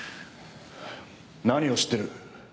何を知ってる？